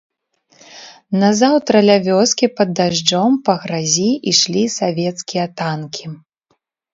Назаўтра ля вёскі пад дажджом па гразі ішлі савецкія танкі.